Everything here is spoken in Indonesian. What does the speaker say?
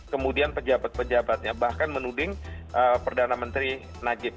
kemudian pejabat pejabatnya bahkan menuding perdana menteri najib